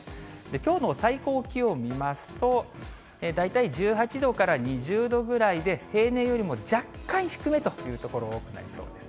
きょうの最高気温見ますと、大体１８度から２０度ぐらいで、平年よりも若干低めという所、多くなりそうです。